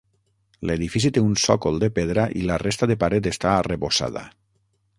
L'edifici té un sòcol de pedra i la resta de paret està arrebossada.